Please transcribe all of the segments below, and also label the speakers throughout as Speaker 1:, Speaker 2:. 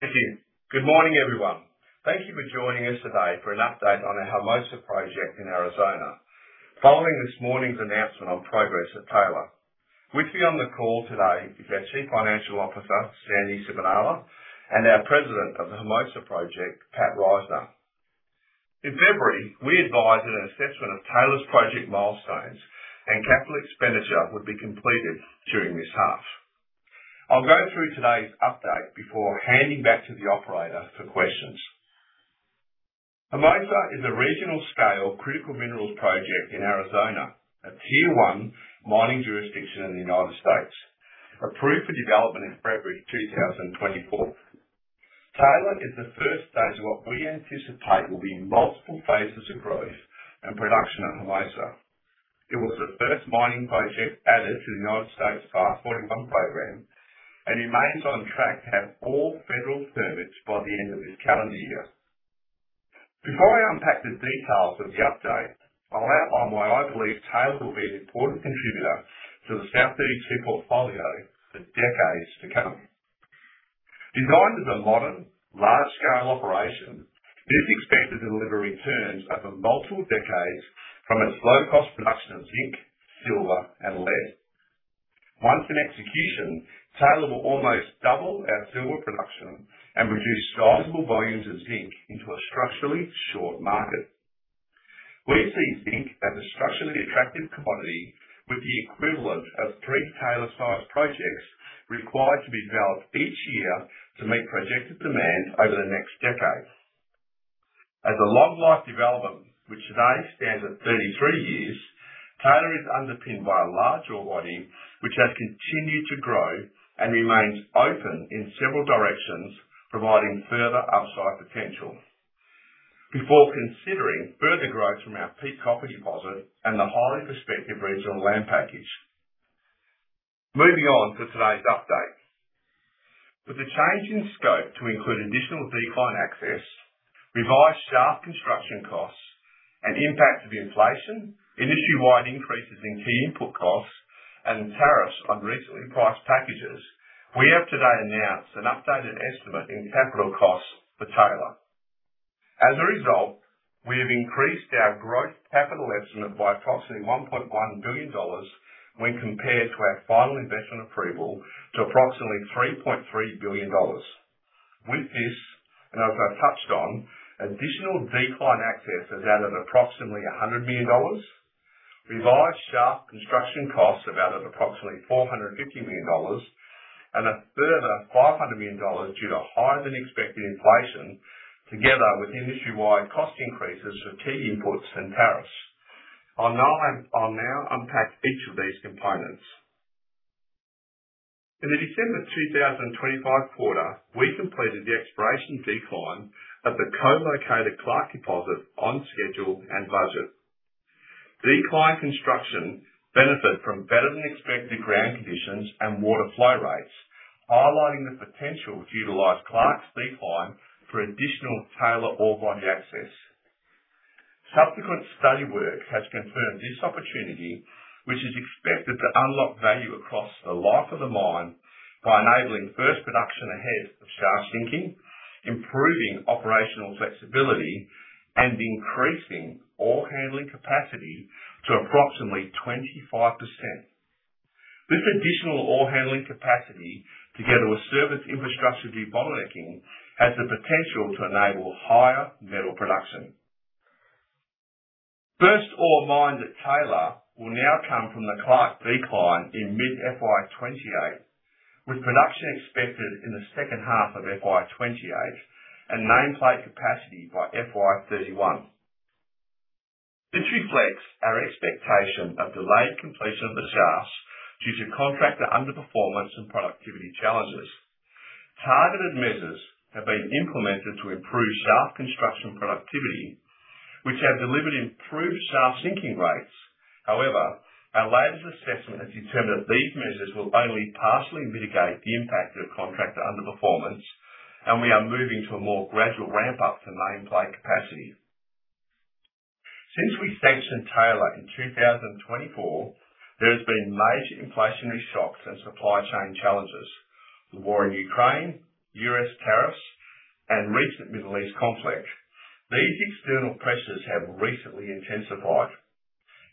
Speaker 1: Thank you. Good morning, everyone. Thank you for joining us today for an update on our Hermosa project in Arizona, following this morning's announcement on progress at Taylor. With me on the call today is our Chief Financial Officer, Sandy Sibenaler, and our President of the Hermosa Project, Pat Risner. In February, we advised that an assessment of Taylor's project milestones and capital expenditure would be completed during this half. I'll go through today's update before handing back to the operator for questions. Hermosa is a regional scale critical minerals project in Arizona, a Tier 1 mining jurisdiction in the United States, approved for development in February 2024. Taylor is the first phase of what we anticipate will be multiple phases of growth and production at Hermosa. It was the first mining project added to the U.S. FAST-41 program, and it remains on track to have full federal permits by the end of this calendar year. Before I unpack the details of the update, I'll outline why I believe Taylor will be an important contributor to the South32 portfolio for decades to come. Designed as a modern, large-scale operation, it is expected to deliver returns over multiple decades from its low-cost production of zinc, silver, and lead. Once in execution, Taylor will almost double our silver production and produce sizable volumes of zinc into a structurally short market. We see zinc as a structurally attractive commodity, with the equivalent of three Taylor-sized projects required to be developed each year to meet projected demand over the next decade. As a long life development, which today stands at 33 years, Taylor is underpinned by a large ore body which has continued to grow and remains open in several directions, providing further upside potential. Before considering further growth from our Peake copper deposit and the highly prospective regional land package. Moving on to today's update. With the change in scope to include additional decline access, revised shaft construction costs, and impacts of inflation, industry-wide increases in key input costs and tariffs on recently priced packages, we have today announced an updated estimate in capital costs for Taylor. As a result, we have increased our gross capital estimate by approximately $1.1 billion when compared to our final investment approval to approximately $3.3 billion. With this, and as I touched on, additional decline access has added approximately $100 million. Revised shaft construction costs have added approximately $450 million and a further $500 million due to higher than expected inflation, together with industry-wide cost increases for key inputs and tariffs. I'll now unpack each of these components. In the December 2025 quarter, we completed the exploration decline at the co-located Clark deposit on schedule and budget. Decline construction benefit from better than expected ground conditions and water flow rates, highlighting the potential to utilize Clark decline for additional Taylor ore body access. Subsequent study work has confirmed this opportunity, which is expected to unlock value across the life of the mine by enabling first production ahead of shaft sinking, improving operational flexibility, and increasing ore handling capacity to approximately 25%. This additional ore handling capacity, together with service infrastructure debottlenecking, has the potential to enable higher metal production. First ore mined at Taylor will now come from the Clark decline in mid FY 2028, with production expected in the second half of FY 2028 and nameplate capacity by FY 2031. This reflects our expectation of delayed completion of the shafts due to contractor underperformance and productivity challenges. Targeted measures have been implemented to improve shaft construction productivity, which have delivered improved shaft sinking rates. However, our latest assessment has determined that these measures will only partially mitigate the impact of contractor underperformance, and we are moving to a more gradual ramp up to nameplate capacity. Since we sanctioned Taylor in 2024, there has been major inflationary shocks and supply chain challenges. The war in Ukraine, U.S. tariffs and recent Middle East conflict. These external pressures have recently intensified.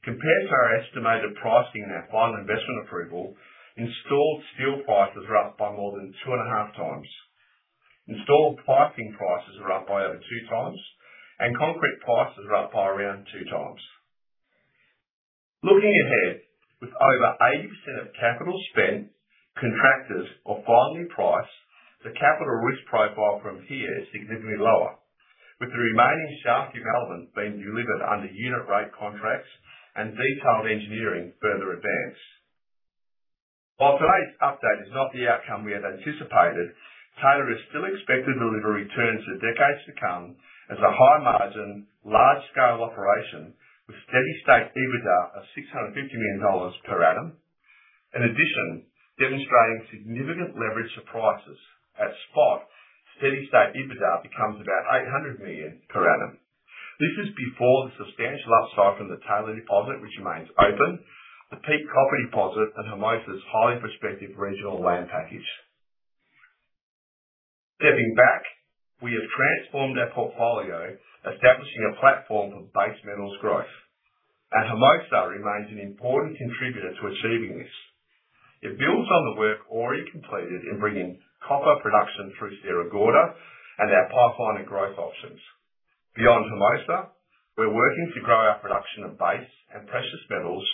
Speaker 1: Compared to our estimated pricing in our final investment approval, installed steel prices are up by more than 2.5 times. Installed piping prices are up by over two times, and concrete prices are up by around two times. Looking ahead, with over 80% of capital spent, contractors are finally priced, the capital risk profile from here is significantly lower, with the remaining shaft development being delivered under unit rate contracts and detailed engineering further advanced. While today's update is not the outcome we had anticipated, Taylor is still expected to deliver returns for decades to come as a high margin, large scale operation with steady state EBITDA of $650 million per annum. Demonstrating significant leverage to prices. At spot, steady state EBITDA becomes about 800 million per annum. This is before the substantial upside from the Taylor deposit, which remains open, the Peake copper deposit at Hermosa's highly prospective regional land package. Stepping back, we have transformed our portfolio, establishing a platform for base metals growth. Hermosa remains an important contributor to achieving this. It builds on the work already completed in bringing copper production through Sierra Gordo and our pipeline of growth options. Beyond Hermosa, we're working to grow our production of base and precious metals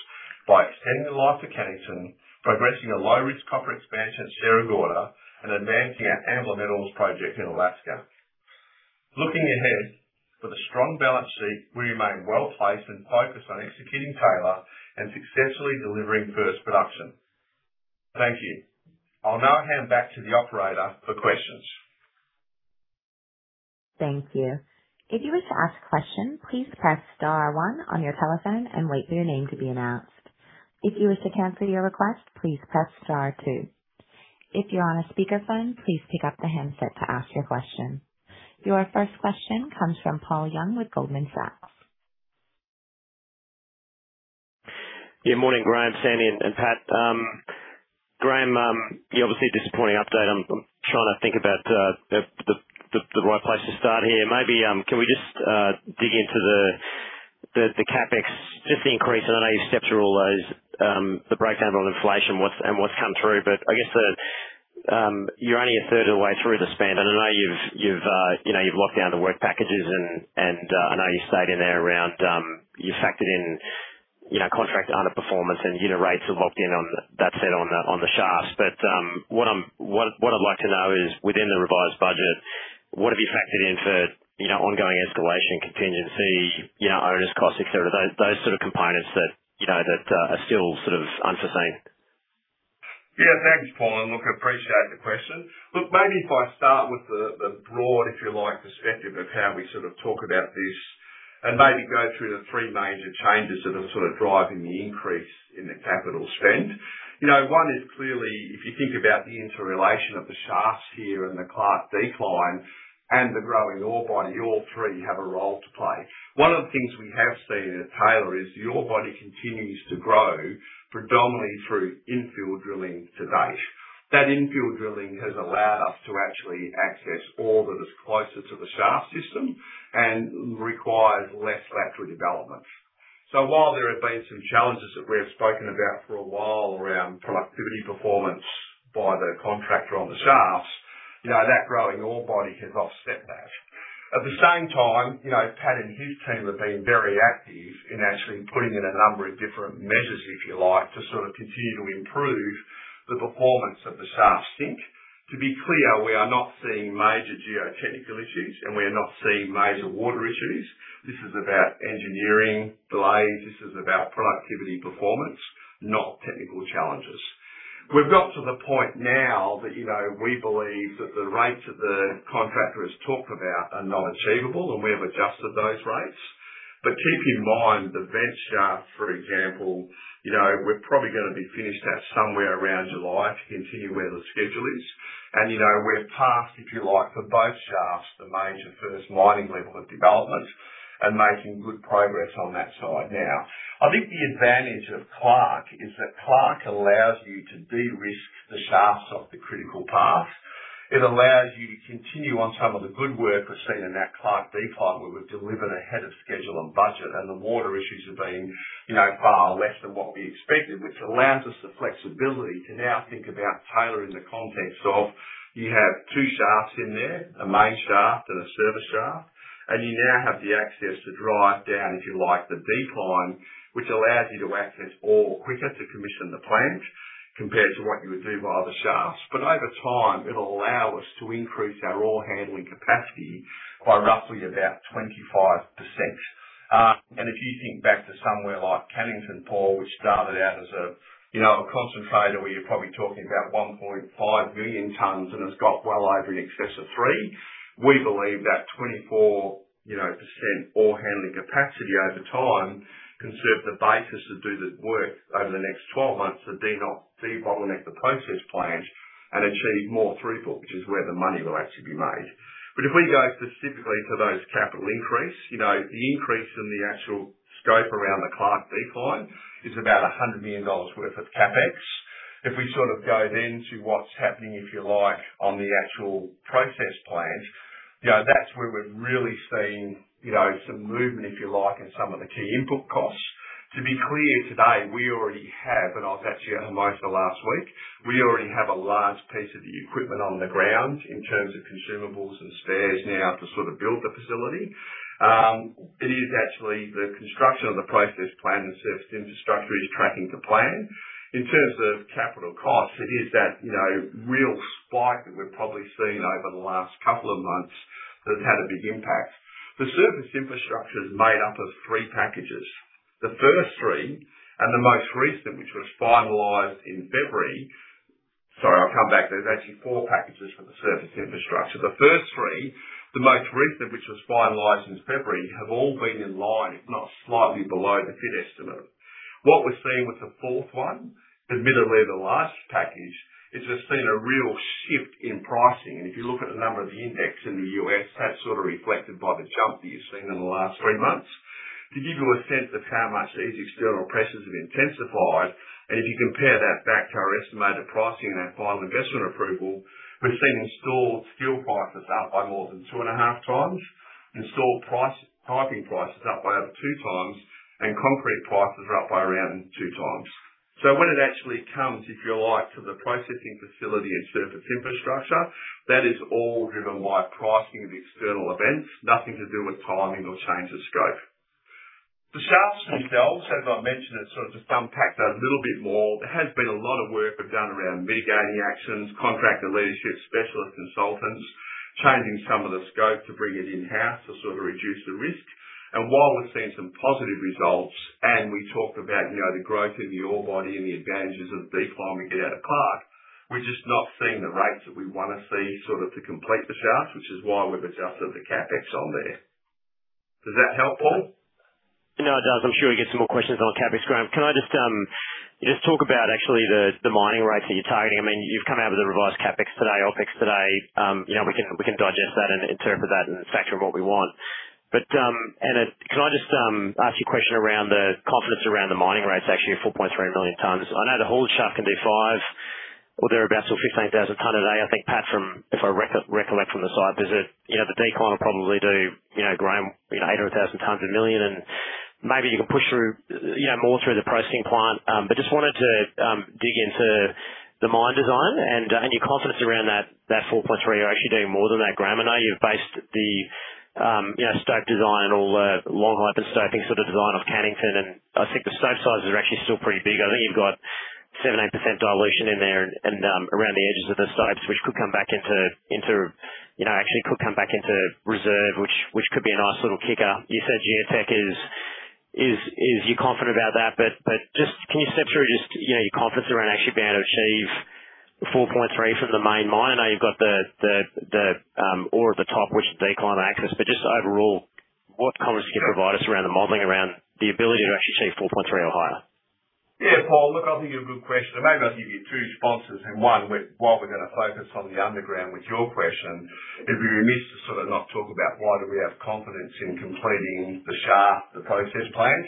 Speaker 1: by extending the life of Cannington, progressing a low-risk copper expansion at Sierra Gordo, and advancing our Ambler Metals project in Alaska. Looking ahead, with a strong balance sheet, we remain well-placed and focused on executing Taylor and successfully delivering first production. Thank you. I'll now hand back to the operator for questions.
Speaker 2: thank you. if you wish to ask a question, please press star one on your telephone and wait for your name to be announced. if you wish to cancel your request, please press star, two. if you are on a sPeaker phone, please pick the handset to ask your question. your first question comes from Paul Young with Goldman Sachs.
Speaker 3: Yeah, morning, Graham, Sandy, and Pat. Graham, yeah, obviously a disappointing update. I'm trying to think about the right place to start here. Maybe, can we just dig into the CapEx, just the increase? I know you stepped through all those, the breakdown of inflation, what's, and what's come through. I guess the, you're only 1/3 of the way through the spend, and I know you've, you know, you've locked down the work packages and I know you stated there around, you factored in, you know, contract underperformance and unit rates are locked in on that said on the, on the shafts. What I'd like to know is, within the revised budget, what have you factored in for, you know, ongoing installation contingency, you know, owner's costs, etc.? Those sort of components that, you know, that are still sort of unforeseen.
Speaker 1: Yeah, thanks, Paul. Look, I appreciate the question. Look, maybe if I start with the broad, if you like, perspective of how we sort of talk about this and maybe go through the three major changes that are sort of driving the increase in the capital spend. You know, one is clearly, if you think about the interrelation of the shafts here and the Clark decline and the growing ore body, all three have a role to play. One of the things we have seen at Taylor is the ore body continues to grow predominantly through infill drilling to date, that infill drilling has allowed us to actually access ore that is closer to the shaft system and requires less lateral development. While there have been some challenges that we have spoken about for a while around productivity performance by the contractor on the shafts, you know, that growing ore body has offset that. At the same time, you know, Pat and his team have been very active in actually putting in a number of different measures, if you like, to sort of continue to improve the performance of the shaft sink. To be clear, we are not seeing major geotechnical issues, and we are not seeing major water issues. This is about engineering delays. This is about productivity performance, not technical challenges. We've got to the point now that, you know, we believe that the rates that the contractor has talked about are not achievable, and we have adjusted those rates, but keep in mind, the vent shaft, for example, you know, we're probably going to be finished at somewhere around July to continue where the schedule is. You know, we're past, if you like, for both shafts, the major first mining level of development and making good progress on that side now. I think the advantage of Clark is that Clark allows you to de-risk the shafts off the critical path. It allows you to continue on some of the good work we've seen in that Clark decline, where we've delivered ahead of schedule and budget, and the water issues have been, you know, far less than what we expected, which allows us the flexibility to now think about tailoring the context of, you have two shafts in there, a main shaft and a service shaft, and you now have the access to drive down, if you like, the decline, which allows you to access ore quicker to commission the plant compared to what you would do by other shafts. Over time, it'll allow us to increase our ore handling capacity by roughly about 25%. If you think back to somewhere like Cannington, Paul, which started out as a, you know, a concentrator where you're probably talking about 1.5 million tons and has got well over in excess of 3 million tons. We believe that 24%, you know, ore handling capacity over time can serve the basis to do the work over the next 12 months to de-bottleneck the process plant and achieve more throughput, which is where the money will actually be made. If we go specifically to those capital increase, you know, the increase in the actual scope around the Clark decline is about $100 million worth of CapEx. If we sort of go then to what's happening, if you like, on the actual process plant, you know, that's where we're really seeing, you know, some movement, if you like, in some of the key input costs. To be clear, today, we already have, and I was actually at Hermosa last week. We already have a large piece of the equipment on the ground in terms of consumables and spares now to sort of build the facility. It is actually the construction of the process plant and surface infrastructure is tracking to plan. In terms of capital costs, it is that, you know, real spike that we've probably seen over the last couple of months that has had a big impact. The surface infrastructure is made up of three packages. The first three and the most recent, which was finalized in February. Sorry, I'll come back. There's actually four packages for the surface infrastructure. The first three, the most recent of which was finalized in February, have all been in line, if not slightly below, the bid estimate. What we're seeing with the fourth one, admittedly the last package, is we're seeing a real shift in pricing. If you look at the number of the index in the U.S., that's sort of reflected by the jump that you've seen in the last three months. To give you a sense of how much these external pressures have intensified, if you compare that back to our estimated pricing in our final investment approval, we've seen installed steel prices up by more than 2.5x. Installed price, piping prices up by over 2x, and concrete prices are up by around 2x. When it actually comes, if you like, to the processing facility and surface infrastructure, that is all driven by pricing of external events. Nothing to do with timing or change of scope. The shaft itself, as I mentioned, and sort of to unpack that a little bit more, there has been a lot of work we've done around mitigating actions, contractor leadership, specialist consultants, changing some of the scope to bring it in-house to sort of reduce the risk. While we've seen some positive results and we talked about, you know, the growth in the ore body and the advantages of decline we get out of Clark, we're just not seeing the rates that we wanna see sort of to complete the shaft, which is why we've adjusted the CapEx on there. Does that help, Paul?
Speaker 3: No, it does. I'm sure we get some more questions on CapEx, Graham. Can I just talk about actually the mining rates that you're targeting. I mean, you've come out with a revised CapEx today, OpEx today. You know, we can digest that and interpret that and factor what we want. Can I just ask you a question around the confidence around the mining rates, actually at 4.3 million tons. I know the whole shaft can do 5 million tons or thereabout, so 15,000 ton a day. I think, Pat, from, if I recollect from the site, there's a, you know, the decline will probably do, you know, growing 800,000 tons or 1 million tons, and maybe you can push through, you know, more through the processing plant. Just wanted to dig into the mine design and your confidence around that 4.3 million tons. You're actually doing more than that, Graham. I know you've based the, you know, stope design, all the long, high stope design off Cannington, and I think the stope sizes are actually still pretty big. I think you've got 7%-8% dilution in there and around the edges of the stopes, which could come back into, you know, actually could come back into reserve which could be a nice little kicker. You said geotech is. You're confident about that. Just can you step through, you know, your confidence around actually being able to achieve 4.3 million tons from the main mine? I know you've got the ore at the top, which decline access. Just overall, what confidence can you provide us around the modeling, around the ability to actually achieve 4.3 million tons or higher?
Speaker 1: Yeah, Paul, look, I think a good question. Maybe I'll give you two responses. One, we're, while we're gonna focus on the underground with your question, it'd be remiss to sort of not talk about why do we have confidence in completing the shaft, the process plant.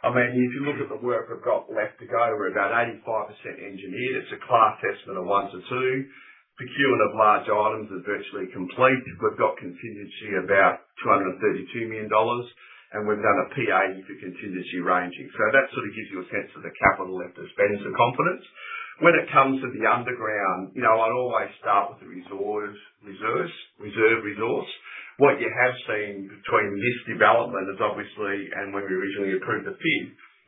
Speaker 1: I mean, if you look at the work we've got left to go, we're about 85% engineered. It's a class estimate of 1 million tons to 2 million tons. Procurement of large items is virtually complete. We've got contingency about $232 million, and we've done a P50 for contingency ranging. That sort of gives you a sense of the capital left to spend and the confidence. When it comes to the underground, you know, I'd always start with the reserves, reserve resource. What you have seen between this development is obviously, and when we originally approved the FID,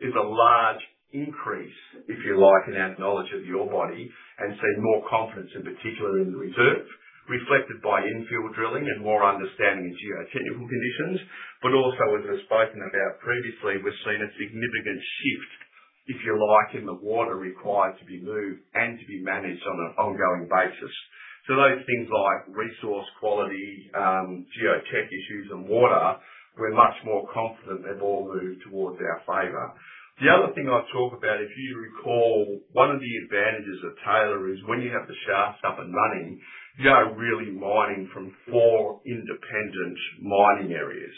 Speaker 1: is a large increase, if you like, in our knowledge of the ore body and see more confidence, in particular in the reserve, reflected by infill drilling and more understanding of geotechnical conditions. Also, as we've spoken about previously, we've seen a significant shift, if you like, in the water required to be moved and to be managed on an ongoing basis. Those things like resource quality, geotech issues and water, we're much more confident they've all moved towards our favor. The other thing I'd talk about, if you recall, one of the advantages of Taylor is when you have the shaft up and running, you are really mining from four independent mining areas.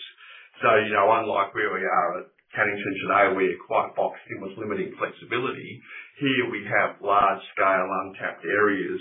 Speaker 1: You know, unlike where we are at Cannington today, we're quite boxed in with limited flexibility. Here, we have large scale untapped areas,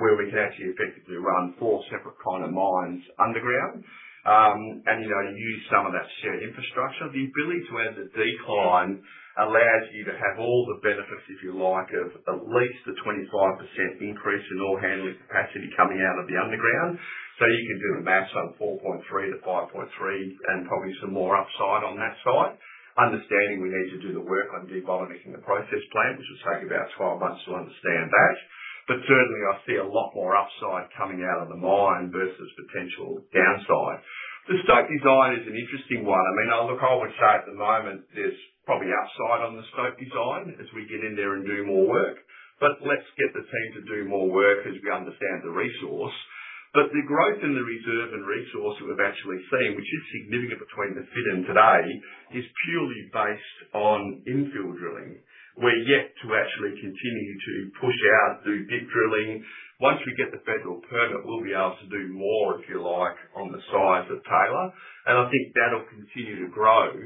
Speaker 1: where we can actually effectively run four separate kind of mines underground, and, you know, use some of that shared infrastructure. The ability to add the decline allows you to have all the benefits, if you like, of at least a 25% increase in ore handling capacity coming out of the underground. You can do the maths on 4.3 million tons to 5.3 million tons and probably some more upside on that side. Understanding we need to do the work on de-bottlenecking the process plant, which will take about 12 months to understand that. Certainly, I see a lot more upside coming out of the mine versus potential downside. The stope design is an interesting one. I mean, look, I would say at the moment there's probably upside on the stope design as we get in there and do more work. Let's get the team to do more work as we understand the resource. The growth in the reserve and resource that we've actually seen, which is significant between the FID and today, is purely based on infill drilling. We're yet to actually continue to push out, do bit drilling. Once we get the federal permit, we'll be able to do more, if you like, on the size of Taylor, and I think that'll continue to grow.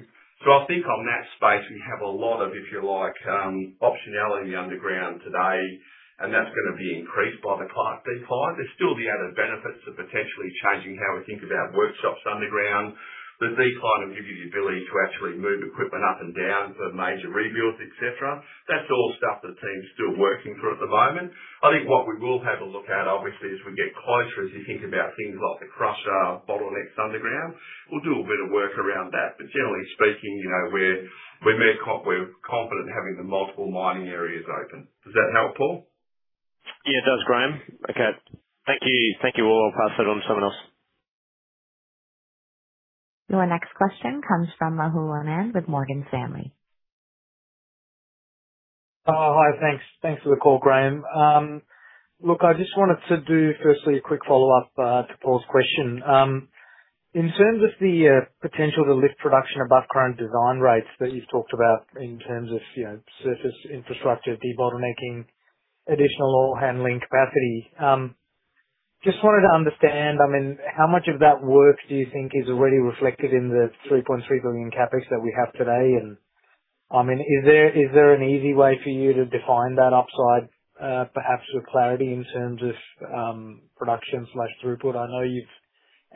Speaker 1: I think on that space we have a lot of, if you like, optionality underground today, and that's gonna be increased by the decline. There's still the added benefits of potentially changing how we think about workshops underground. The decline will give you the ability to actually move equipment up and down for major rebuilds, etc. That's all stuff the team's still working through at the moment. I think what we will have a look at, obviously, as we get closer, as you think about things like the crusher bottlenecks underground, we'll do a bit of work around that. Generally sPeakeing, you know, We're confident having the multiple mining areas open. Does that help, Paul?
Speaker 3: Yeah, it does, Graham. Okay. Thank you. Thank you all. I'll pass that on to someone else.
Speaker 2: Your next question comes from Rahul Anand with Morgan Stanley.
Speaker 4: Hi. Thanks. Thanks for the call, Graham. Look, I just wanted to do firstly a quick follow-up to Paul's question. In terms of the potential to lift production above current design rates that you've talked about in terms of, you know, surface infrastructure, debottlenecking, additional ore handling capacity. Just wanted to understand, I mean, how much of that work do you think is already reflected in the $3.3 billion CapEx that we have today? I mean, is there an easy way for you to define that upside, perhaps with clarity in terms of production/throughput? I know you've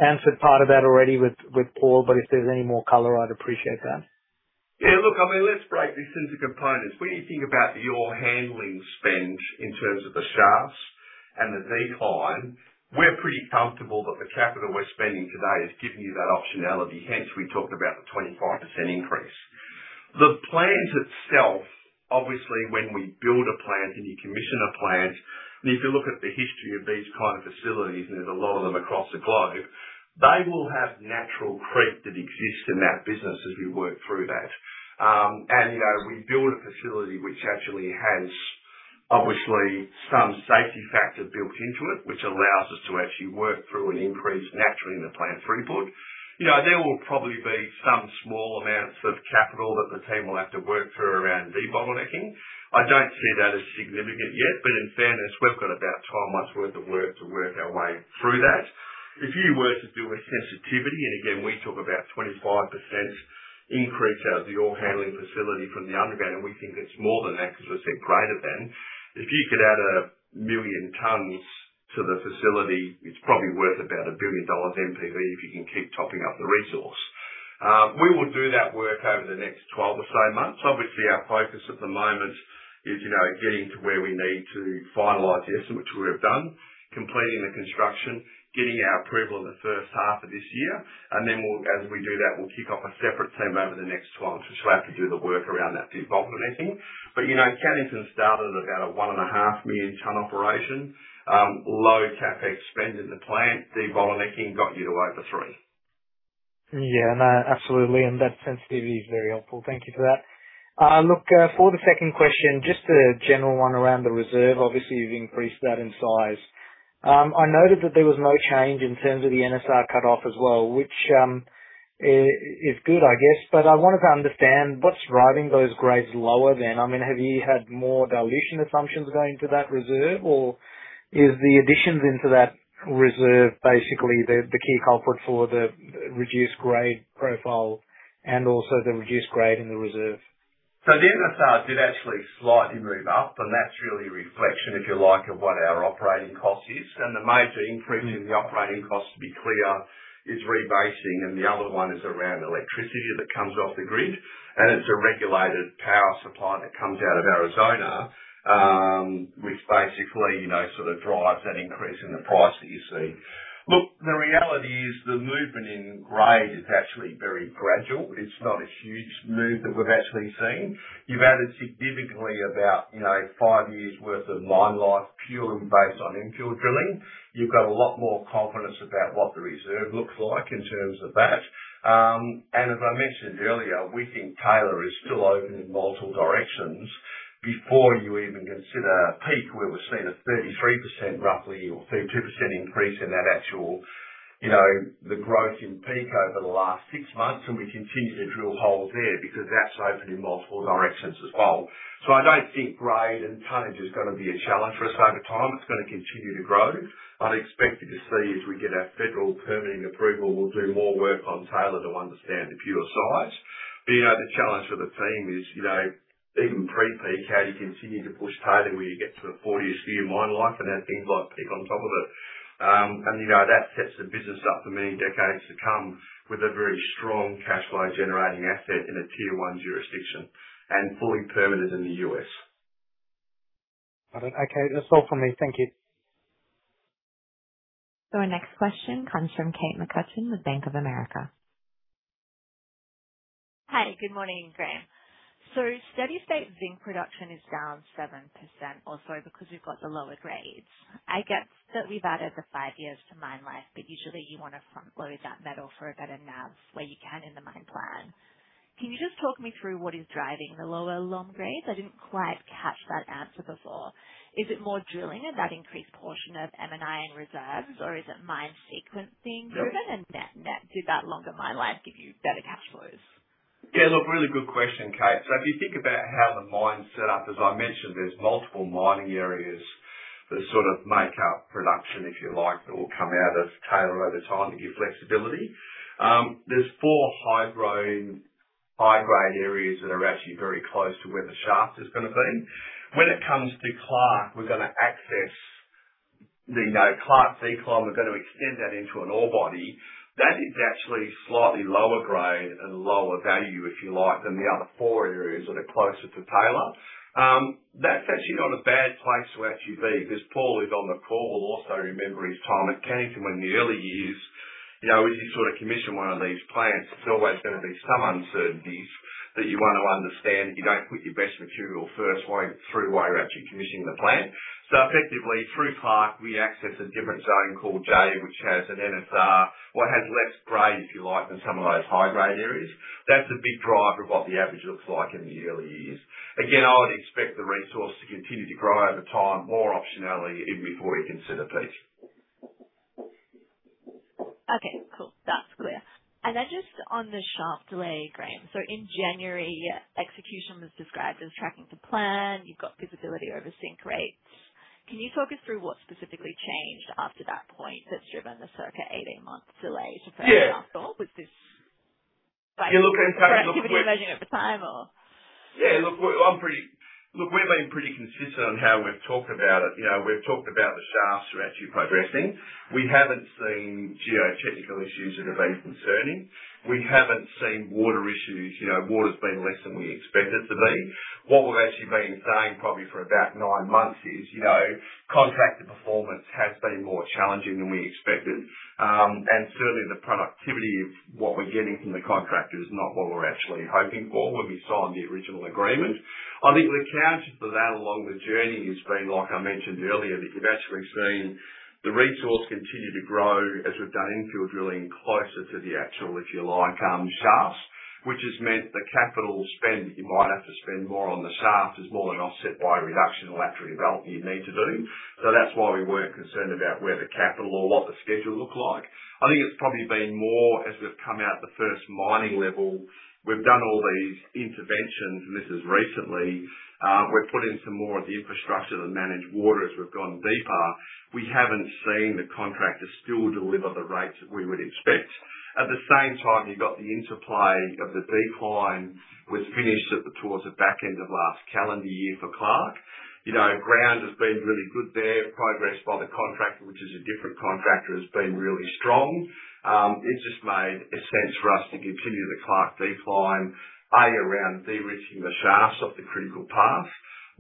Speaker 4: answered part of that already with Paul, but if there's any more color, I'd appreciate that.
Speaker 1: Yeah, look, I mean, let's break this into components. When you think about the ore handling spend in terms of the shafts and the decline, we're pretty comfortable that the capital we're spending today is giving you that optionality. We talked about the 25% increase. The plant itself, obviously, when we build a plant and you commission a plant, if you look at the history of these kind of facilities, there's a lot of them across the globe, they will have natural creep that exists in that business as we work through that. You know, we build a facility which actually has, obviously, some safety factor built into it, which allows us to actually work through an increase naturally in the plant throughput. You know, there will probably be some small amounts of capital that the team will have to work through around debottlenecking. I don't see that as significant yet, but in fairness, we've got about 12 months' worth of work to work our way through that. If you were to do a sensitivity, and again, we talk about 25% increase out of the ore handling facility from the underground, and we think it's more than that because we've seen greater than. If you could add 1 million tons to the facility, it's probably worth about $1 billion NPV if you can keep topping up the resource. We will do that work over the next 12 or so months. Obviously, our focus at the moment is, you know, getting to where we need to finalize the estimate, which we have done, completing the construction, getting our approval in the first half of this year. As we do that, we'll kick off a separate team over the next 12, so we'll have to do the work around that debottlenecking. You know, Cannington started about 1.5 million ton operation. Low CapEx spend in the plant, debottlenecking got you to over 3 million tons.
Speaker 4: Yeah. No, absolutely. That sensitivity is very helpful. Thank you for that. Look, for the second question, just a general one around the reserve. Obviously, you've increased that in size. I noted that there was no change in terms of the NSR cut-off as well, which is good, I guess, I wanted to understand what's driving those grades lower then. I mean, have you had more dilution assumptions going to that reserve? Is the additions into that reserve basically the key culprit for the reduced grade profile and also the reduced grade in the reserve?
Speaker 1: The NSR did actually slightly move up, and that's really a reflection, if you like, of what our operating cost is. The major increase in the operating cost, to be clear, is rebasing, and the other one is around electricity that comes off the grid, and it's a regulated power supply that comes out of Arizona, which basically, you know, sort of drives that increase in the price that you see. Look, the reality is the movement in grade is actually very gradual. It's not a huge move that we've actually seen. You've added significantly about, you know, five years worth of mine life purely based on infill drilling. You've got a lot more confidence about what the reserve looks like in terms of that. As I mentioned earlier, we think Taylor is still open in multiple directions. Before you even consider Peake, where we've seen a 33% roughly or 32% increase in that actual, you know, the growth in Peake over the last six months, and we continue to drill holes there because that's open in multiple directions as well. I don't think grade and tonnage is gonna be a challenge for us over time. It's gonna continue to grow. I'd expect you to see as we get our federal permitting approval, we'll do more work on Taylor to understand the pure size. You know, the challenge for the team is, you know, even pre-Peake, how do you continue to push Taylor where you get to the 40th year of mine life and have things like Peake on top of it. You know, that sets the business up for many decades to come with a very strong cash flow generating asset in a Tier 1 jurisdiction and fully permitted in the U.S.
Speaker 4: Got it. Okay, that's all from me. Thank you.
Speaker 2: Our next question comes from Kate McCutcheon with Bank of America.
Speaker 5: Hi. Good morning, Graham. Steady state zinc production is down 7% also because you've got the lower grades. I get that we've added the five years to mine life, but usually you want to front load that metal for a better NAV where you can in the mine plan. Can you just talk me through what is driving the lower long grades? I didn't quite catch that answer before. Is it more drilling and that increased portion of M&I in reserves or is it mine sequence being driven net-net, do that longer mine life give you better cash flows?
Speaker 1: Yeah, look, really good question, Kate. If you think about how the mine's set up, as I mentioned, there's multiple mining areas that sort of make up production, if you like, that will come out of Taylor over time to give flexibility. There's four high-grade areas that are actually very close to where the shaft is gonna be. When it comes to Clark, we're gonna access, you know, Clark decline. We're gonna extend that into an ore body. That is actually slightly lower grade and lower value, if you like, than the other four areas that are closer to Taylor. That's actually not a bad place to actually be, because Paul is on the call will also remember his time at Cannington when the early years. You know, when you sort of commission one of these plants, there's always gonna be some uncertainties that you want to understand, that you don't put your best material first while you're through, while you're actually commissioning the plant. effectively, through Clark, we access a different zone called J, which has an NSR. Well, it has less grade, if you like, than some of those high-grade areas. That's a big driver of what the average looks like in the early years. Again, I would expect the resource to continue to grow over time, more optionality even before you consider Peake.
Speaker 5: Okay, cool. That's clear. Just on the shaft delay, Graham. In January, execution was described as tracking to plan. You've got visibility over sync rates. Can you talk us through what specifically changed after that point that's driven the circa 18-month delay to first at the time or?
Speaker 1: Yeah, look, we've been pretty consistent on how we've talked about it. You know, we've talked about the shafts are actually progressing. We haven't seen geotechnical issues that have been concerning. We haven't seen water issues. You know, water's been less than we expected to be. What we've actually been saying probably for about nine months is, you know, contractor performance has been more challenging than we expected. Certainly the productivity of what we're getting from the contractor is not what we were actually hoping for when we signed the original agreement. I think we accounted for that along the journey has been, like I mentioned earlier, that you've actually seen the resource continue to grow as we've done infill drilling closer to the actual, if you like, shafts, which has meant the CapEx that you might have to spend more on the shaft is more than offset by a reduction in lateral development you need to do. That's why we weren't concerned about where the CapEx or what the schedule looked like. I think it's probably been more as we've come out the first mining level. We've done all these interventions, and this is recently, we've put in some more of the infrastructure to manage water as we've gone deeper. We haven't seen the contractors still deliver the rates that we would expect. At the same time, you've got the interplay of the decline was finished at the, towards the back end of last calendar year for Clark. You know, ground has been really good there. Progress by the contractor, which is a different contractor, has been really strong. It just made sense for us to continue the Clark decline, A, around de-risking the shafts off the critical path,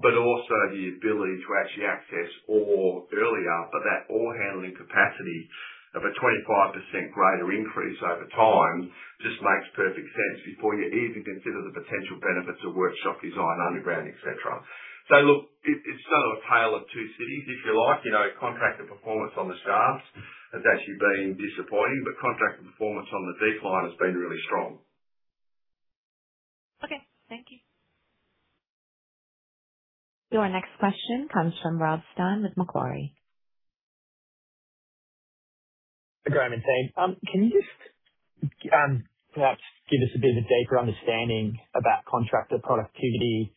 Speaker 1: but also the ability to actually access ore earlier for that ore handling capacity of a 25% greater increase over time just makes perfect sense before you even consider the potential benefits of workshop design underground, etc. Look, it's sort of a tale of two cities, if you like. You know, contractor performance on the shafts has actually been disappointing, but contractor performance on the decline has been really strong.
Speaker 5: Okay. Thank you.
Speaker 2: Your next question comes from Rob Stein with Macquarie.
Speaker 6: Graham and team, can you just perhaps give us a bit of a deeper understanding about contractor productivity?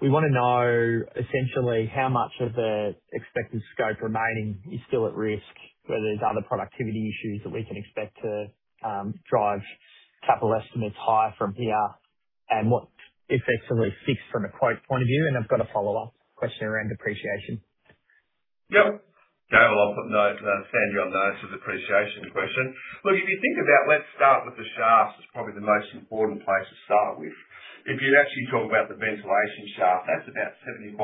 Speaker 6: We wanna know essentially how much of the expected scope remaining is still at risk, whether there's other productivity issues that we can expect to drive capital estimates higher from here and what effects are really fixed from a quote point of view. I've got a follow-up question around depreciation.
Speaker 1: Yep. No, I'll put note Sandy on the notes for the depreciation question. If you think about let's start with the shafts is probably the most important place to start with. If you actually talk about the ventilation shaft, that's about 75%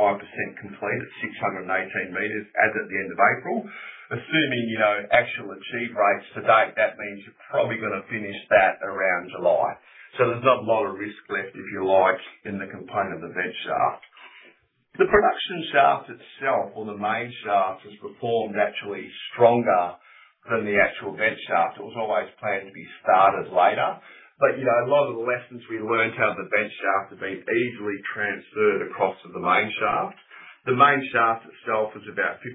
Speaker 1: complete at 618 m as at the end of April. Assuming, you know, actual achieved rates to date, that means you're probably gonna finish that around July. There's not a lot of risk left, if you like, in the component of the vent shaft. The production shaft itself or the main shaft has performed actually stronger than the actual vent shaft. It was always planned to be started later, you know, a lot of the lessons we learned out of the vent shaft have been easily transferred across to the main shaft. The main shaft itself is about 53%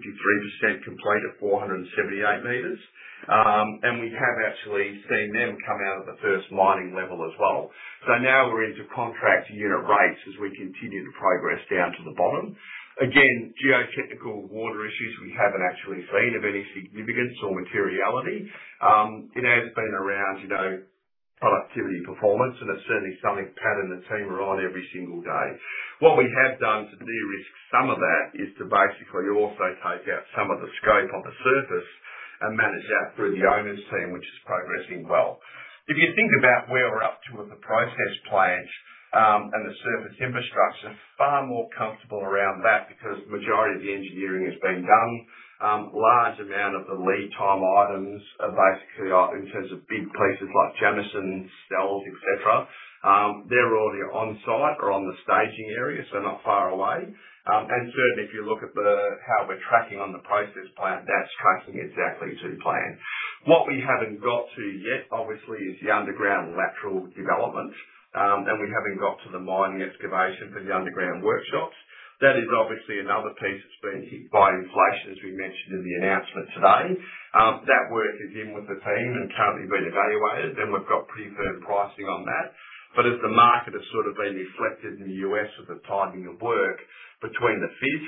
Speaker 1: complete at 478 m and we have actually seen them come out of the first mining level as well. Now we're into contract unit rates as we continue to progress down to the bottom. Again, geotechnical water issues we haven't actually seen of any significance or materiality. It has been around, you know, productivity performance and it's certainly something Pat and the team are on every single day. What we have done to de-risk some of that is to basically also take out some of the scope on the surface and manage that through the owner's team, which is progressing well. If you think about where we're up to with the process plant and the surface infrastructure, far more comfortable around that because majority of the engineering has been done. Large amount of the lead time items are basically, in terms of big pieces like Jameson Cell, etc. They're already on site or on the staging area, so not far away. Certainly if you look at the, how we're tracking on the process plant, that's tracking exactly to plan. What we haven't got to yet obviously is the underground lateral development, and we haven't got to the mining excavation for the underground workshops. That is obviously another piece that's been hit by inflation, as we mentioned in the announcement today. That work is in with the team and currently being evaluated, and we've got pretty firm pricing on that. As the market has sort of been reflected in the U.S. with the timing of work between the fit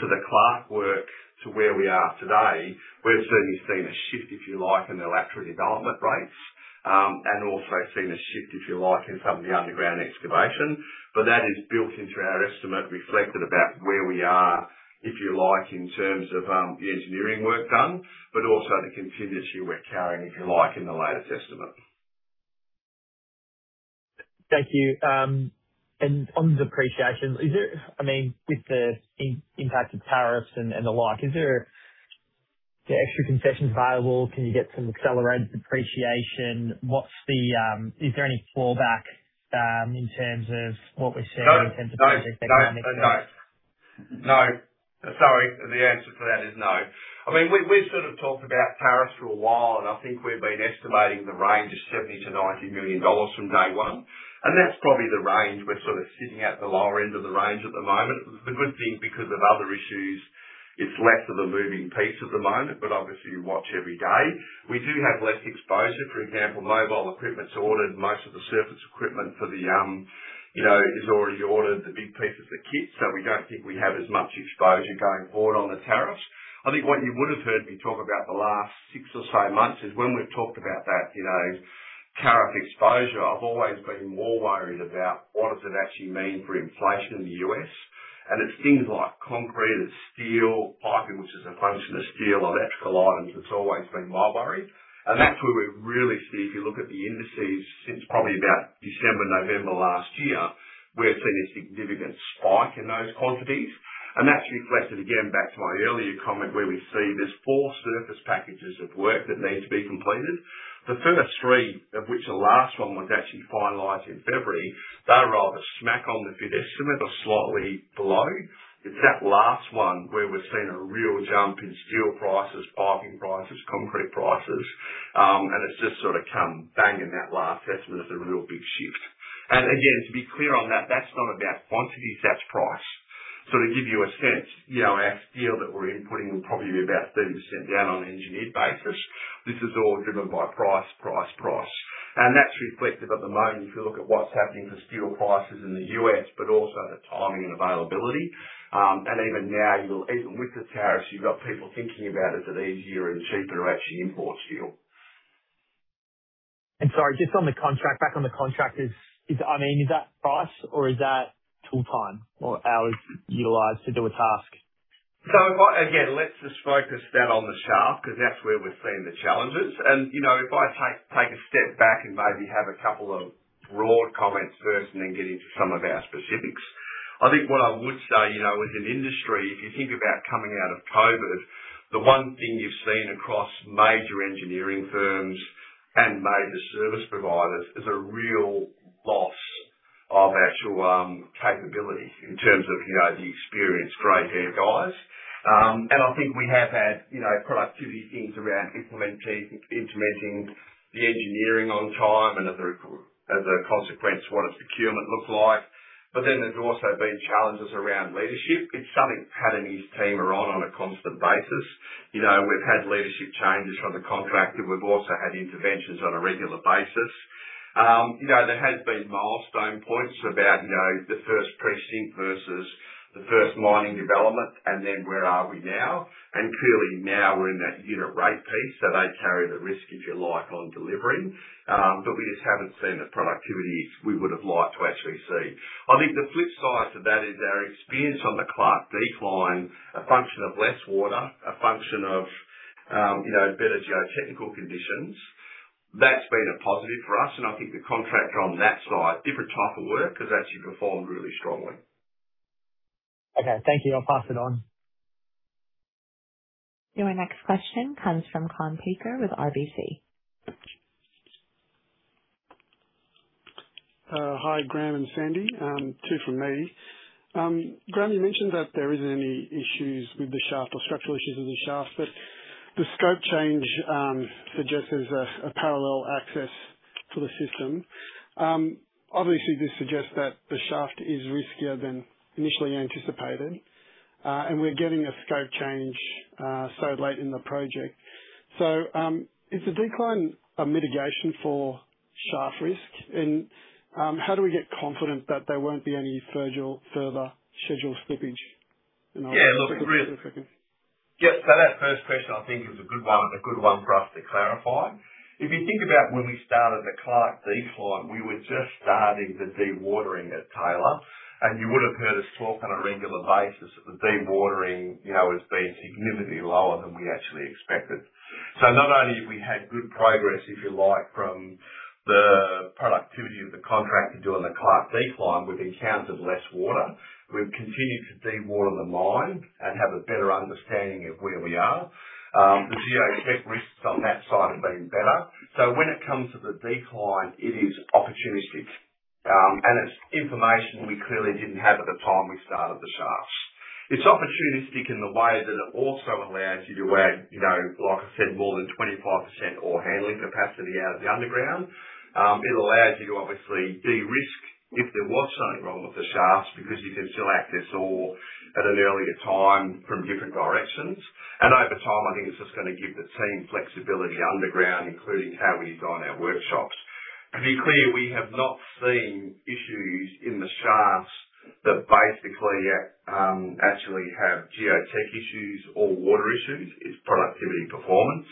Speaker 1: to the Clark work to where we are today, we've certainly seen a shift, if you like, in the lateral development rates, and also seen a shift, if you like, in some of the underground excavation. That is built into our estimate, reflected about where we are, if you like, in terms of the engineering work done, but also the continuos we are carrying, if you like, in the latest estimate.
Speaker 6: Thank you. On the depreciation, is there, I mean, with the impact of tariffs and the like, is there extra concessions available? Can you get some accelerated depreciation? What's the, is there any fallback, in terms of what we've seen in terms of?
Speaker 1: No, no, no. No. Sorry. The answer for that is no. I mean, we've sort of talked about tariffs for a while, and I think we've been estimating the range of 70 million-90 million dollars from day one, and that's probably the range. We're sort of sitting at the lower end of the range at the moment. The good thing, because of other issues, it's less of a moving piece at the moment, but obviously you watch every day. We do have less exposure. For example, mobile equipment's ordered, most of the surface equipment for the, you know, is already ordered, the big pieces, the kit. We don't think we have as much exposure going forward on the tariffs. I think what you would have heard me talk about the last six or so months is when we've talked about that, you know, tariff exposure. I've always been more worried about what does it actually mean for inflation in the U.S. It's things like concrete and steel piping, which is a function of steel, electrical items. That's always been my worry. That's where we really see, if you look at the indices since probably about December, November last year, we're seeing a significant spike in those quantities. That's reflected, again, back to my earlier comment, where we see there's four surface packages of work that need to be completed. The first three, of which the last one was actually finalized in February, they were rather smack on the fee. They're similar, slightly below. It's that last one where we're seeing a real jump in steel prices, piping prices, concrete prices, and it's just sort of come bang in that last estimate as the real big shift. Again, to be clear on that's not about quantities, that's price. To give you a sense, you know, our steel that we're inputting will probably be about 30% down on an engineered basis. This is all driven by price, price. That's reflective at the moment if you look at what's happening for steel prices in the U.S., but also the timing and availability. Even now, even with the tariffs, you've got people thinking about is it easier and cheaper to actually import steel.
Speaker 6: Sorry, just on the contract, back on the contract, is, I mean, is that price or is that tool time or hours utilized to do a task?
Speaker 1: If I again, let's just focus that on the shaft because that's where we're seeing the challenges. You know, if I take a step back and maybe have a couple of broad comments first and then get into some of our specifics. I think what I would say, you know, as an industry, if you think about coming out of COVID, the one thing you've seen across major engineering firms and major service providers is a real loss of actual capability in terms of, you know, the experienced gray hair guys. I think we have had, you know, productivity gains around implementing the engineering on time and as a consequence, what its procurement looks like. Then there's also been challenges around leadership. It's something Pat and his team are on a constant basis. You know, we've had leadership changes from the contractor. We've also had interventions on a regular basis. You know, there has been milestone points about, you know, the first precinct versus the first mining development and then where are we now. Clearly now we're in that unit rate piece, so they carry the risk, if you like, on delivering. We just haven't seen the productivities we would have liked to actually see. I think the flip side to that is our experience on the Clark decline, a function of less water, a function of, you know, better geotechnical conditions. That's been a positive for us, and I think the contractor on that site, different type of work, has actually performed really strongly.
Speaker 6: Okay. Thank you. I'll pass it on.
Speaker 2: Your next question comes from Kaan Peker with RBC.
Speaker 7: Hi, Graham and Sandy. Two from me. Graham, you mentioned that there isn't any issues with the shaft or structural issues with the shaft, but the scope change suggests there's a parallel access to the system. Obviously, this suggests that the shaft is riskier than initially anticipated, and we're getting a scope change so late in the project. Is the decline a mitigation for shaft risk? How do we get confident that there won't be any schedule, further schedule slippage?
Speaker 1: Yeah, look, Yeah. That first question, I think, is a good one for us to clarify. If you think about when we started the Clark decline, we were just starting the dewatering at Taylor, and you would have heard us talk on a regular basis that the dewatering, you know, has been significantly lower than we actually expected. Not only have we had good progress, if you like, from the productivity of the contract to do on the Clark decline, we've encountered less water. We've continued to dewater the mine and have a better understanding of where we are. The geotech risks on that site have been better. When it comes to the decline, it is opportunistic, and it's information we clearly didn't have at the time we started the shafts. It's opportunistic in the way that it also allows you to add, you know, like I said, more than 25% ore handling capacity out of the underground. It allows you to obviously de-risk if there was something wrong with the shafts, because you can still access ore at an earlier time from different directions. Over time, I think it's just gonna give the team flexibility underground, including how we design our workshops. To be clear, we have not seen issues in the shafts that basically, actually have geotech issues or water issues. It's productivity performance.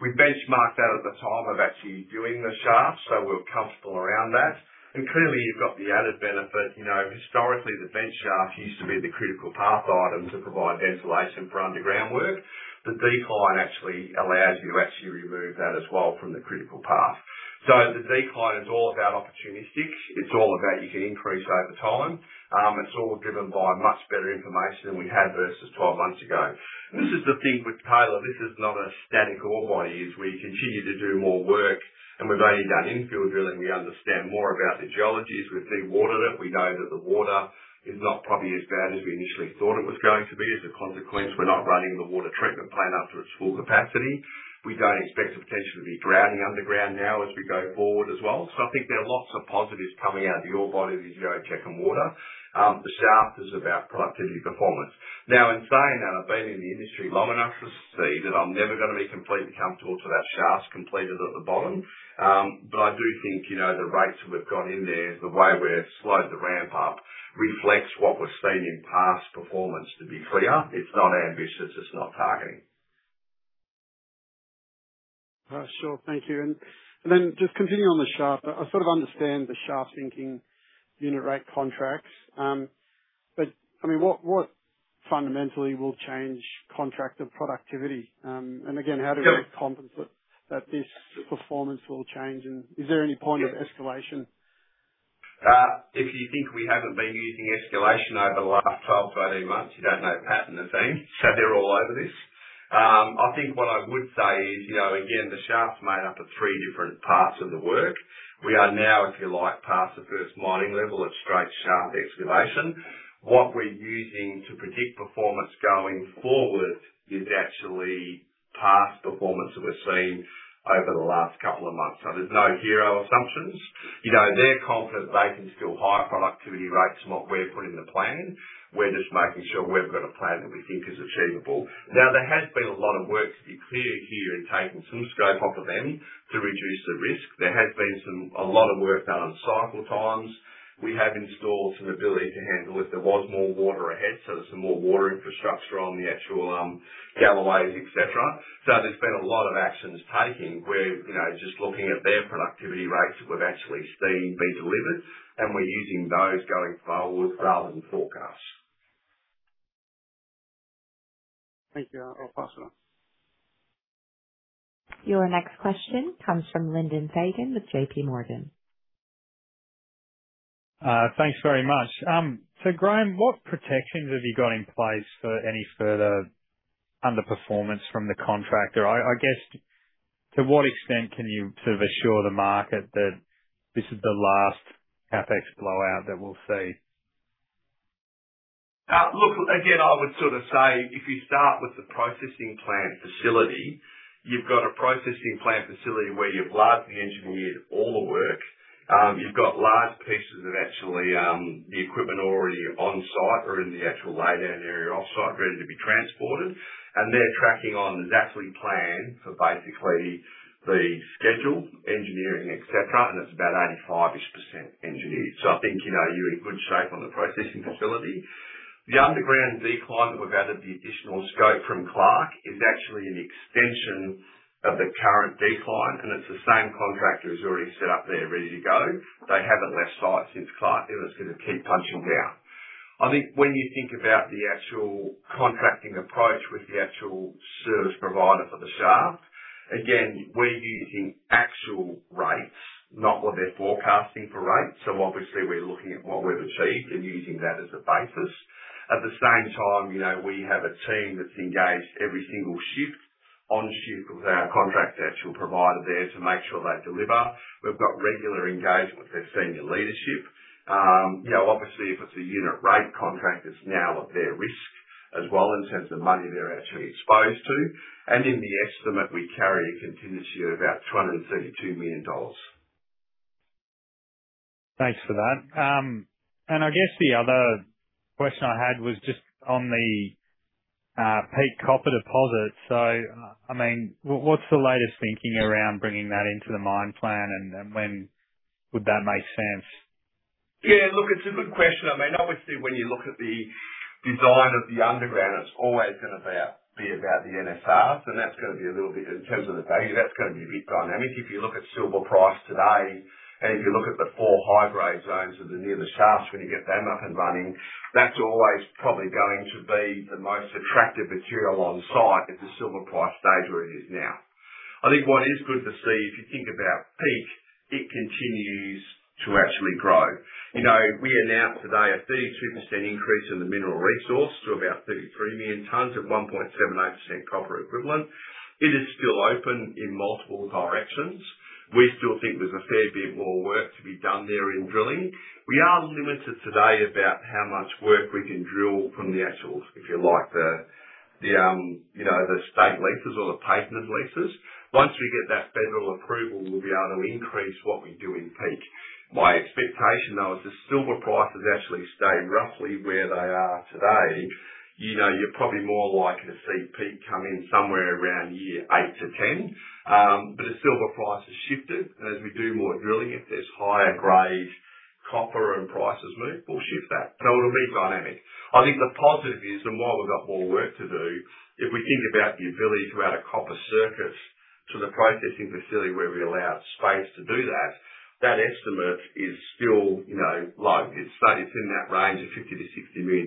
Speaker 1: We benchmarked that at the time of actually doing the shafts, we're comfortable around that. Clearly, you've got the added benefit. You know, historically, the vent shaft used to be the critical path item to provide ventilation for underground work but the decline actually allows you to actually remove that as well from the critical path. The decline is all about opportunistic. It's all about you can increase over time. It's all driven by much better information than we had versus 12 months ago. This is the thing with Taylor. This is not a static ore body, is we continue to do more work, and we've only done infill drilling. We understand more about the geology as we've dewatered it. We know that the water is not probably as bad as we initially thought it was going to be. As a consequence, we're not running the water treatment plant up to its full capacity. We don't expect the potential to be drowning underground now as we go forward as well. I think there are lots of positives coming out of the ore body, the geotech and water. The shaft is about productivity performance. Now in saying that, I've been in the industry long enough to see that I'm never gonna be completely comfortable till that shaft's completed at the bottom. I do think, you know, the rates that we've got in there, the way we've slowed the ramp up reflects what we're seeing in past performance. To be clear, it's not ambitious, it's not targeting.
Speaker 7: Sure. Thank you. Then just continuing on the shaft. I sort of understand the shaft sinking unit rate contracts. I mean, what fundamentally will change contractor productivity? Again, how do we have confidence that this performance will change? Is there any point of escalation?
Speaker 1: If you think we haven't been using escalation over the last 12, 13 months, you don't know Pat and the team so they're all over this. I think what I would say is, you know, again, the shaft's made up of three different parts of the work. We are now, if you like, past the first mining level of straight shaft excavation. What we're using to predict performance going forward is actually past performance that we've seen over the last couple of months. There's no hero assumptions. You know, they're confident they can still hit high productivity rates from what we're putting in the plan. We're just making sure we've got a plan that we think is achievable. There has been a lot of work to be clear here in taking some scope off of them to reduce the risk. There has been a lot of work done on cycle times. We have installed some ability to handle if there was more water ahead, so there's some more water infrastructure on the actual galleries, et cetera. There's been a lot of actions taken. We're, you know, just looking at their productivity rates that we've actually seen be delivered and we're using those going forward rather than forecasts.
Speaker 7: Thank you. I'll pass it on.
Speaker 2: Your next question comes from Lyndon Fagan with JPMorgan.
Speaker 8: Thanks very much. Graham, what protections have you got in place for any further underperformance from the contractor? I guess to what extent can you sort of assure the market that this is the last CapEx blowout that we'll see?
Speaker 1: Look, again, I would sort of say if you start with the processing plant facility, you've got a processing plant facility where you've largely engineered all the work. You've got large pieces of actually, the equipment already on site or in the actual laydown area offsite ready to be transported. They're tracking on exactly plan for basically the schedule, engineering, etc., and it's about 85%-ish engineered. I think, you know, you're in good shape on the processing facility. The underground decline that we've added the additional scope from Clark is actually an extension of the current decline, and it's the same contractor who's already set up there ready to go. They haven't left site since Clark, and it's gonna keep punching down. I think when you think about the actual contracting approach with the actual service provider for the shaft, again, we're using actual rates, not what they're forecasting for rates. Obviously we're looking at what we've achieved and using that as a basis. At the same time, you know, we have a team that's engaged every single shift on shift with our contract actual provider there to make sure they deliver. We've got regular engagement with their senior leadership. You know, obviously, if it's a unit rate contract, it's now at their risk as well in terms of money they're actually exposed to. In the estimate, we carry a contingency of about $232 million.
Speaker 8: Thanks for that. I guess the other question I had was just on the Peake copper deposit. I mean, what's the latest thinking around bringing that into the mine plan and when would that make sense?
Speaker 1: Yeah, look, it's a good question. I mean, obviously when you look at the design of the underground, it's always gonna be about the NSRs, and that's gonna be a little bit, in terms of the value, that's gonna be a bit dynamic. If you look at silver price today, and if you look at the four high-grade zones of the, near the shafts, when you get them up and running, that's always probably going to be the most attractive material on site if the silver price stays where it is now. I think what is good to see, if you think about Peake, it continues to actually grow. You know, we announced today a 32% increase in the mineral resource to about 33 million tons at 1.78% copper equivalent. It is still open in multiple directions. We still think there's a fair bit more work to be done there in drilling. We are limited today about how much work we can drill from the actual, if you like, the, you know, the state leases or the patented leases. Once we get that federal approval, we'll be able to increase what we do in Peake. My expectation, though, is if silver prices actually stay roughly where they are today, you know, you're probably more likely to see Peake come in somewhere around year 8-10. If silver prices shifted, and as we do more drilling, if there's higher grade copper and prices move, we'll shift that. You know, it'll be dynamic. I think the positive is, and while we've got more work to do, if we think about the ability to add a copper circuit to the processing facility where we allow space to do that estimate is still, you know, low. It's in that range of $50 million-$60 million,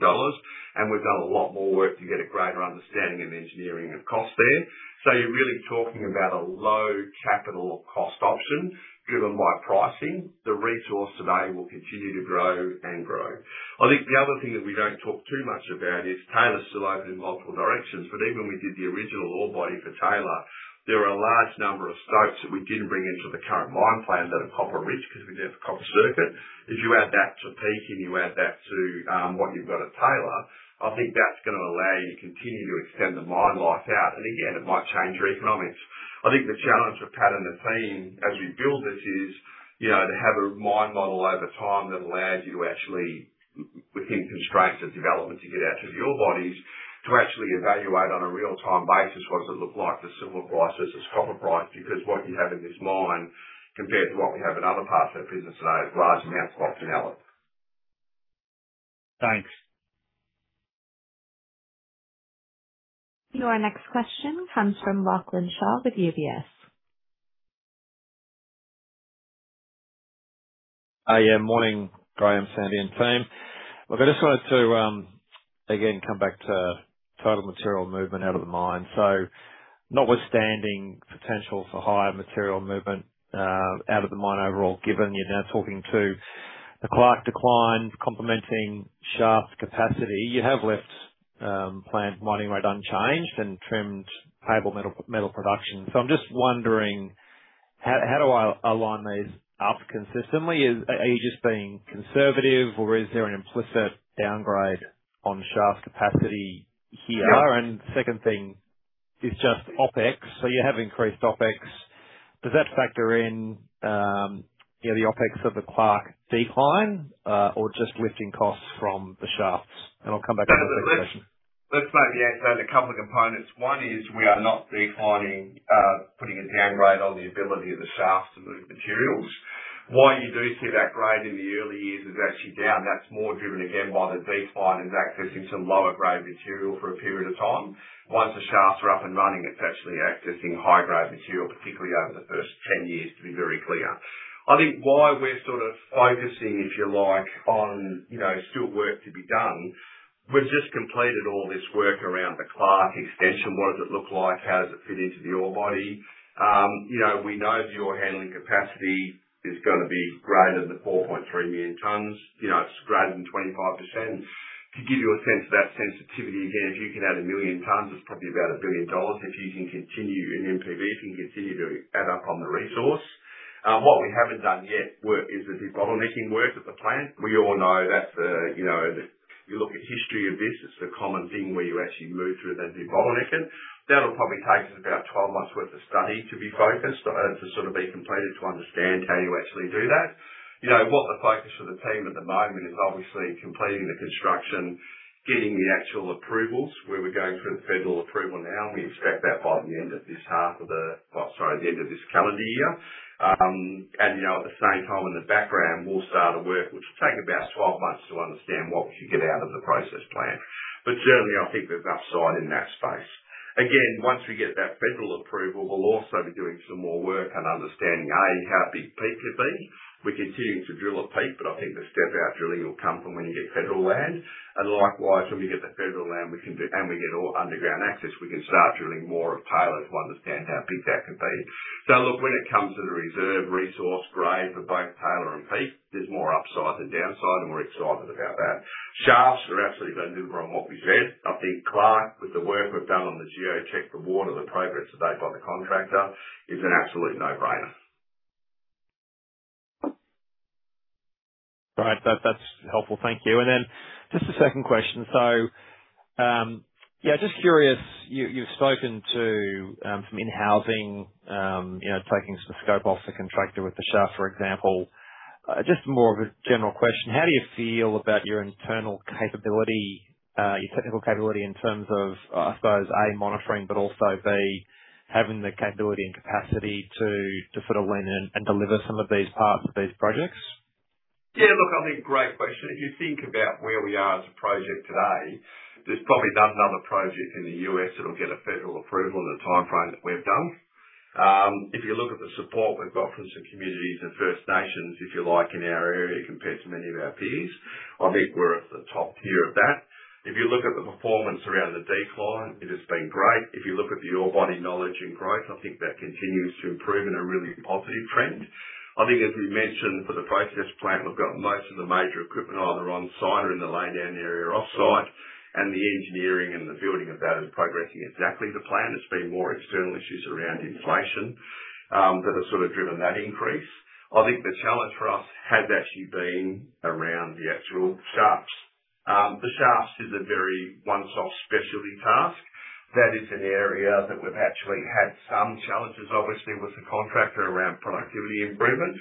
Speaker 1: and we've done a lot more work to get a greater understanding and engineering of cost there. So you're really talking about a low capital cost option driven by pricing. The resource today will continue to grow and grow. I think the other thing that we don't talk too much about is Taylor's still open in multiple directions, but even when we did the original ore body for Taylor, there are a large number of stopes that we didn't bring into the current mine plan that are copper rich because we didn't have a copper circuit. If you add that to Peake and you add that to what you've got at Taylor, I think that's going to allow you to continue to extend the mine life out. Again, it might change your economics. I think the challenge for Pat and the team as you build this is to have a mine model over time that allows you to actually, within constraints of development to get out of your bodies, to actually evaluate on a real-time basis what does it look like, the silver price versus copper price. What you have in this mine compared to what we have in other parts of our business today is large amounts of optionality.
Speaker 8: Thanks.
Speaker 2: Your next question comes from Lachlan Shaw with UBS.
Speaker 9: Hi. Yeah, morning, Graham, Sandy, and team. I just wanted to again come back to total material movement out of the mine. Notwithstanding potential for higher material movement out of the mine overall, given you're now talking to the Clark decline complementing shaft capacity, you have left plant mining rate unchanged and trimmed payable metal production. I'm just wondering, how do I align these up consistently? Are you just being conservative or is there an implicit downgrade on shaft capacity here? Second thing is just OpEx. You have increased OpEx. Does that factor in, you know, the OpEx of the Clark decline or just lifting costs from the shafts? I'll come back to the second question.
Speaker 1: Let's maybe answer that in a couple of components. One is we are not declining, putting a downgrade on the ability of the shafts to move materials. Why you do see that grade in the early years is actually down. That's more driven, again, by the decline is accessing some lower grade material for a period of time. Once the shafts are up and running, it's actually accessing high grade material, particularly over the first 10 years, to be very clear. I think why we're sort of focusing, if you like, on, you know, still work to be done. We've just completed all this work around the Clark decline. What does it look like? How does it fit into the ore body? You know, we know the ore handling capacity is gonna be greater than the 4.3 million tons. You know, it's greater than 25%. To give you a sense of that sensitivity, again, if you can add 1 million tons, it's probably about $1 billion. If you can continue in NPV, if you can continue to add up on the resource. What we haven't done yet, work, is the debottlenecking work at the plant. We all know that the, you know, you look at history of this, it's the common thing where you actually move through the debottlenecking. That'll probably take us about 12 months worth of study to be focused, to sort of be completed to understand how you actually do that. You know, what the focus for the team at the moment is obviously completing the construction, getting the actual approvals, where we're going through the federal approval now. We expect that by the end of this half of the, or sorry, the end of this calendar year. You know, at the same time in the background, we'll start a work which will take about 12 months to understand what we can get out of the process plan. Generally, I think there's upside in that space. Again, once we get that federal approval, we'll also be doing some more work and understanding, A, how big Peake could be. We continue to drill at Peake, but I think the step out drilling will come from when you get federal land. Likewise, when we get the federal land, we get all underground access, we can start drilling more at Taylor to understand how big that can be. Look, when it comes to the reserve resource grade for both Taylor and Peake, there's more upside than downside, and we're excited about that. Shafts are absolutely maneuver on what we said. I think Clark, with the work we've done on the geotech work and the progress to date by the contractor, is an absolute no-brainer.
Speaker 9: Right. That's helpful. Thank you. Then just a second question. Yeah, just curious, you've spoken to some in-housing, you know, taking some scope off the contractor with the shaft, for example. Just more of a general question, how do you feel about your internal capability, your technical capability in terms of, I suppose, A, monitoring, but also, B, having the capability and capacity to sort of lean in and deliver some of these parts of these projects?
Speaker 1: Yeah, look, I think great question. If you think about where we are as a project today, there's probably not another project in the U.S. that'll get a federal approval in the timeframe that we've done. If you look at the support we've got from some communities and First Nations, if you like, in our area compared to many of our peers, I think we're at the top tier of that. If you look at the performance around the decline, it has been great. If you look at the ore body knowledge and growth, I think that continues to improve in a really positive trend. I think as we mentioned for the process plant, we've got most of the major equipment either on site or in the laydown area off site, and the engineering and the building of that is progressing exactly to plan so it's been more external issues around inflation that have sort of driven that increase. I think the challenge for us has actually been around the actual shafts. The shafts is a very one-stop specialty task. That is an area that we've actually had some challenges, obviously, with the contractor around productivity improvement.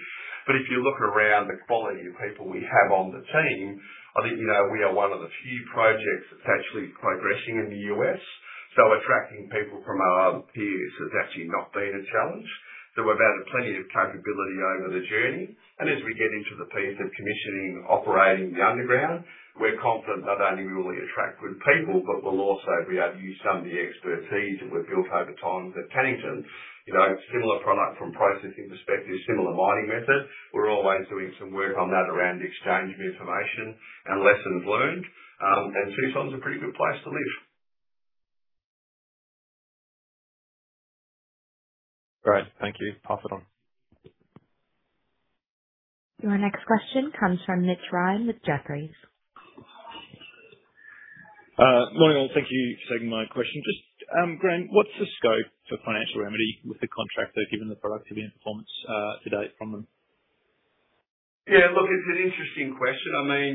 Speaker 1: If you look around the quality of people we have on the team, I think, you know, we are one of the few projects that's actually progressing in the U.S., so attracting people from our peers has actually not been a challenge. We've added plenty of capability over the journey, and as we get into the piece of commissioning and operating the underground, we're confident that not only we really attract good people, but we'll also be able to use some of the expertise that we've built over time for Cannington. You know, similar product from processing perspective, similar mining method. We're always doing some work on that around the exchange of information and lessons learned. Tucson's a pretty good place to live.
Speaker 9: Great. Thank you. Pass it on.
Speaker 2: Your next question comes from Mitch Ryan with Jefferies.
Speaker 10: Morning, all. Thank you for taking my question. Just Graham, what's the scope for financial remedy with the contractor given the productivity and performance, to date from them?
Speaker 1: Yeah, look, it's an interesting question. I mean,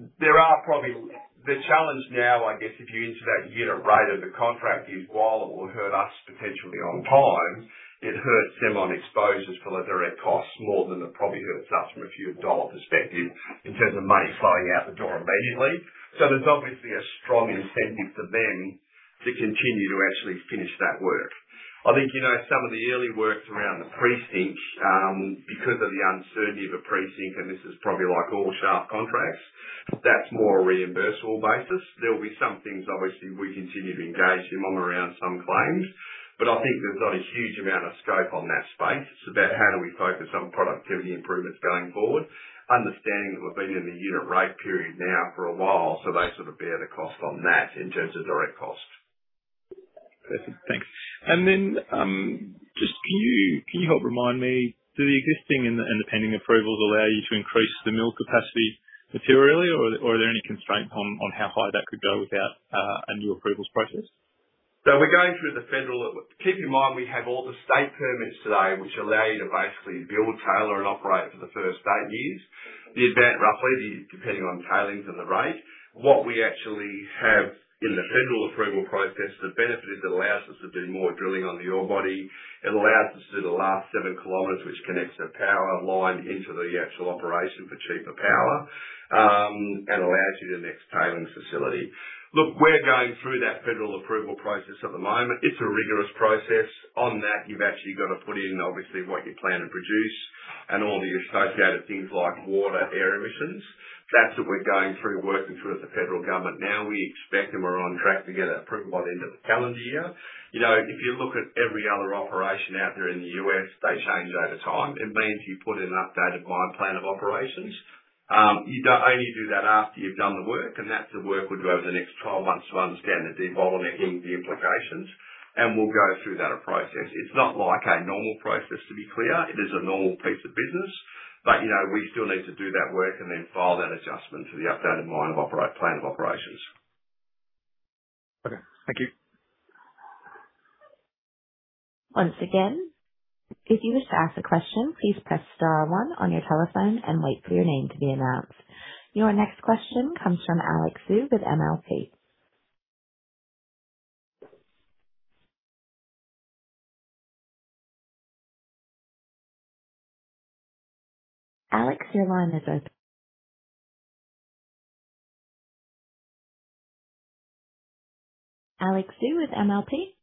Speaker 1: the challenge now, I guess, if you into that unit rate of the contract is, while it will hurt us potentially on time, it hurts them on exposures for the direct costs more than it probably hurts us from a pure dollar perspective in terms of money flowing out the door immediately so there's obviously a strong incentive for them to continue to actually finish that work. I think, you know, some of the early works around the pre-sink, because of the uncertainty of a pre-sink, and this is probably like all shaft contracts, that's more a reimbursable basis. There will be some things obviously we continue to engage him on around some claims, I think there's not a huge amount of scope on that space. It's about how do we focus on productivity improvements going forward. Understanding that we've been in the unit rate period now for a while, so they sort of bear the cost on that in terms of direct costs.
Speaker 10: Perfect. Thanks. Then, just can you help remind me, do the existing and the, and the pending approvals allow you to increase the mill capacity materially or are there any constraints on how high that could go without a new approvals process?
Speaker 1: We're going through the federal. Keep in mind we have all the state permits today which allow you to basically build, tailor and operate for the first eight years. The event roughly, depending on tailings and the rate. We actually have in the federal approval process, the benefit is it allows us to do more drilling on the ore body. It allows us to do the last 7 km, which connects the power line into the actual operation for cheaper power, and allows you the next tailings facility. We're going through that federal approval process at the moment. It's a rigorous process. On that, you've actually got to put in, obviously, what you plan to produce and all the associated things like water, air emissions. That's what we're going through, working through with the federal government now. We expect and we're on track to get that approved by the end of the calendar year. You know, if you look at every other operation out there in the U.S., they change over time. It means you put in an updated mine plan of operations. You only do that after you've done the work, and that's the work we'll do over the next 12 months to understand the development and the implications, and we'll go through that process. It's not like a normal process, to be clear. It is a normal piece of business. You know, we still need to do that work and then file that adjustment to the updated mine plan of operations.
Speaker 10: Okay, thank you.
Speaker 2: Once again, if you wish to ask a question, please press star one on your telephone and wait for your name to be announced. Your next question comes from Alex Xu with MLP. Alex, your line is open. Alex Xu with MLP?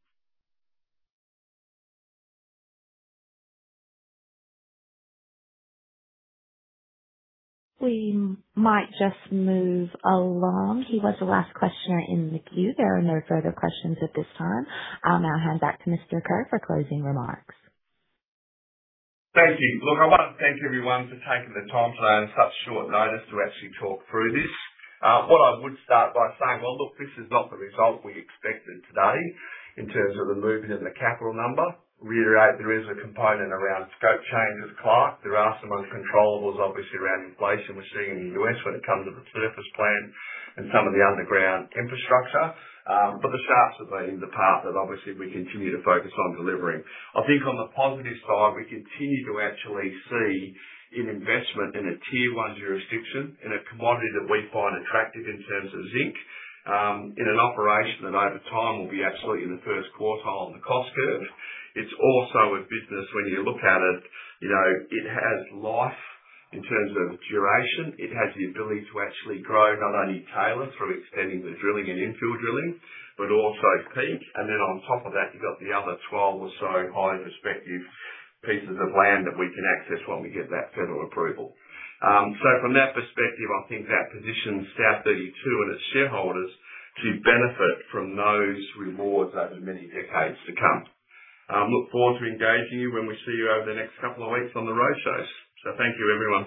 Speaker 2: We might just move along. He was the last questioner in the queue there and there are no further questions at this time. I'll now hand back to Mr. Kerr for closing remarks.
Speaker 1: Thank you. Look, I want to thank everyone for taking the time today on such short notice to actually talk through this. What I would start by saying, well, look, this is not the result we expected today in terms of the movement in the capital number. I reiterate there is a component around scope changes, Clark. There are some uncontrollables obviously around inflation we're seeing in the U.S. when it comes to the surface plant and some of the underground infrastructure. The shafts have been the part that obviously we continue to focus on delivering. I think on the positive side, we continue to actually see an investment in a Tier 1 jurisdiction in a commodity that we find attractive in terms of zinc, in an operation that over time will be absolutely in the first quartile of the cost curve. It's also a business when you look at it, you know, it has life in terms of duration. It has the ability to actually grow not only Taylor through extending the drilling and infill drilling, also Clark. On top of that, you've got the other 12 or so highly prospective pieces of land that we can access when we get that federal approval. From that perspective, I think that positions South32 and its shareholders to benefit from those rewards over many decades to come. Look forward to engaging you when we see you over the next two weeks on the roadshows. Thank you, everyone.